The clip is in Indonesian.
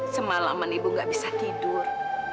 semalaman ibu gak bisa tidur